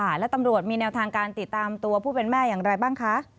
แล้วตำรวจมีแนวทางการติดตามตัวผู้เป็นแม่อย่างไรบ้างคะ